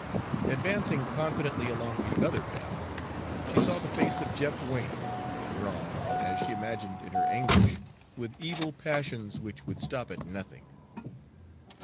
Advancing confidently along the other path she saw the face of Jeff Wain, drawn, as she imagined in her anguish, with evil passions which would stop at nothing.